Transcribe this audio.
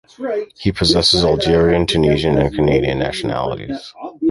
He possesses Algerian, Tunisian and Canadian nationalities.